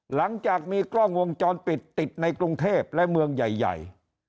หลังจากมีกล้องวงจรปิดติดในกรุงเทพและเมืองใหญ่